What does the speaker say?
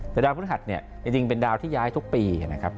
แต่ดาวพฤหัสเนี่ยจริงเป็นดาวที่ย้ายทุกปีนะครับ